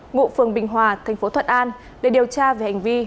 ngụ phường bình hòa thành phố thuận an để điều tra về hành vi